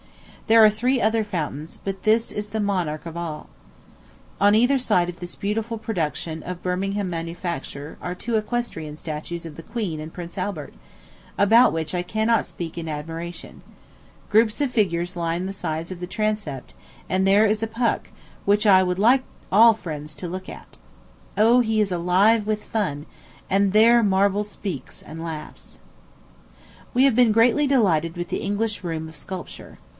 There are three other fountains, but this is the monarch of all. On either side of this beautiful production of a Birmingham manufacturer are two equestrian statues of the queen and Prince Albert, about which I cannot speak in admiration. Groups of figures line the sides of the transept, and there is a Puck which I would like all friends to look at. O, he is alive with fun, and there marble speaks and laughs. We have been greatly delighted with the English room of sculpture.